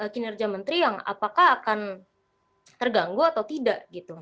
penerja menteri yang apakah akan terganggu atau tidak